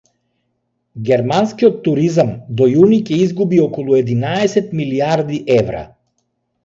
Германскиот туризам до јуни ќе изгуби околу единаесет милијарди евра